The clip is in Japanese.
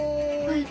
はい。